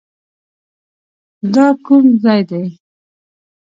دا کوم ځای دی؟